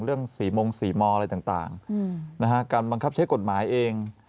เรื่องสี่มงสี่มออะไรต่างนะฮะการบังคับใช้กฎหมายเอง